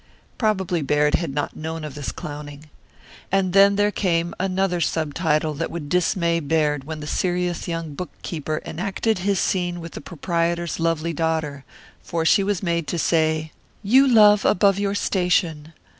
Probably Baird had not known of this clowning. And there came another subtitle that would dismay Baird when the serious young bookkeeper enacted his scene with the proprietor's lovely daughter, for she was made to say: "You love above your station.